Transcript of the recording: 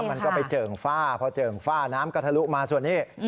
มันก็ไปเจิ่งฝ้าพอเจิ่งฝ้าน้ำก็ทะลุมาส่วนนี้